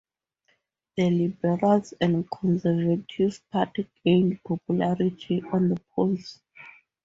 The Liberals and Conservative Party gained popularity on the polls.